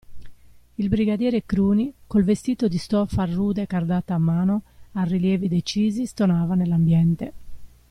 Il brigadiere Cruni, col vestito di stoffa rude cardata a mano, a rilievi decisi, stonava nell'ambiente.